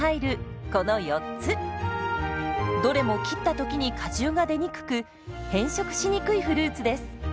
どれも切った時に果汁が出にくく変色しにくいフルーツです。